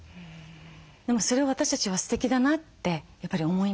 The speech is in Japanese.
でもそれを私たちはすてきだなってやっぱり思います。